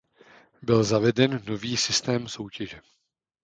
Byl zaveden nový systém soutěže.